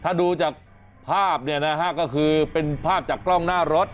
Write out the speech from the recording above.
ถ้าดูจากภาพก็คือเป็นภาพจากกล้องหน้ารถ